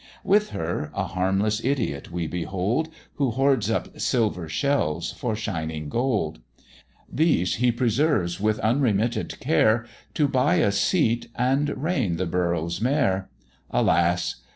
With her a harmless Idiot we behold, Who hoards up silver shells for shining gold: These he preserves, with unremitted care, To buy a seat, and reign the Borough's mayor: Alas!